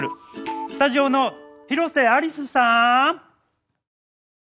スタジオの広瀬アリスさん！